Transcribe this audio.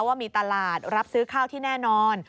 ว่ามีตลาดรับซื้อข้าวที่แน่นอน